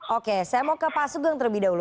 oke saya mau ke pak sugeng terlebih dahulu